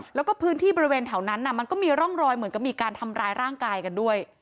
แล้วก็พื้นที่บริเวณแถวนั้นมันก็มีร่องรอยเหมือนกับมีการทำร้ายร่างกายกันด้วย